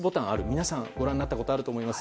皆さんご覧になったことあると思います。